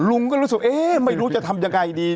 ลุงก็รู้สึกเอ๊ะไม่รู้จะทำยังไงดี